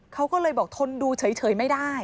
เขาก็เลยบอกทนดูเฉยไม่ได้